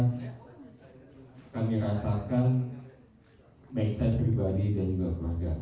dan kami rasakan makeshift pribadi dan juga keluarga